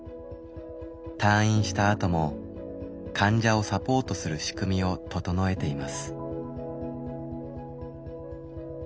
退院したあとも患者をサポートする仕組みを整えています。